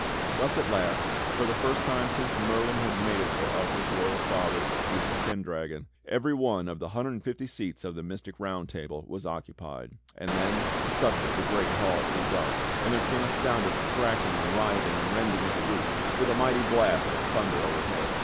Thus at last, for the first time since Merlin had made it for Arthur's royal father, Uther Pendragon, every one of the hundred and fifty seats of the mystic Round Table was occupied! And then — Suddenly the great hall grew dark, and there came a sound of cracking and riving and rending of the roof, with a mighty blast of thunder overhead.